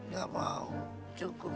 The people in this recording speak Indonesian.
gak mau cukup